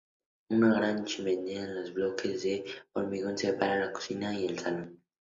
Una gran chimenea de bloques de hormigón separa la cocina y el salón.